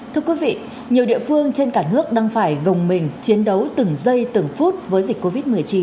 thưa quý vị nhiều địa phương trên cả nước đang phải gồng mình chiến đấu từng giây từng phút với dịch covid một mươi chín